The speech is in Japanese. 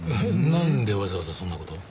なんでわざわざそんな事を？